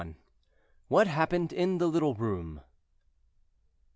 WHAT HAPPENED IN THE LITTLE ROOM.